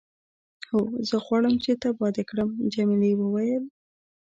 هو، زه غواړم چې تباه دې کړم. جميلې وويل:.